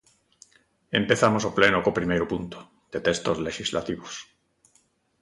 Empezamos o pleno co primeiro punto, de textos lexislativos.